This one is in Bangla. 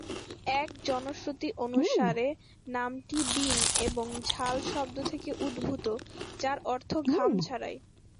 এক জনশ্রুতি অনুসারে নামটি "বিন" এবং "ঝাল" শব্দ থেকে উদ্ভূত, যার অর্থ ঘাম ছাড়াই।